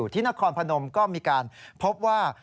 ที่นครพนมก็มีการพบว่า